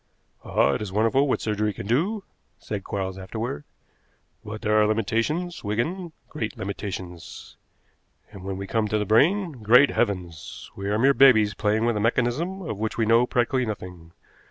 "Ah, it is wonderful what surgery can do," said Quarles afterward. "But there are limitations, Wigan, great limitations. And when we come to the brain, great heavens! We are mere babies playing with a mechanism of which we know practically nothing.